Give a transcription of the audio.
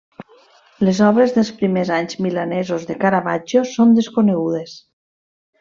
Les obres dels primers anys milanesos de Caravaggio són desconegudes.